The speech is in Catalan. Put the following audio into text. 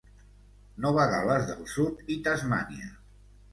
Nova Gal·les del Sud i Tasmània.